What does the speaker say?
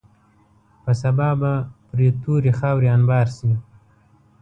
په سبا به پرې تورې خاورې انبار شي.